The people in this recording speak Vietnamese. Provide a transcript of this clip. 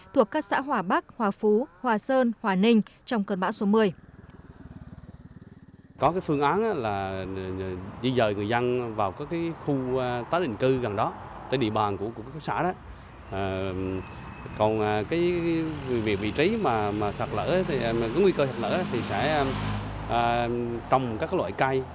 thuộc các xã hòa bắc hòa phú hòa sơn hòa ninh trong cơn bão số một mươi